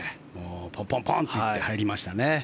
ポンポンポンと行って入りましたね。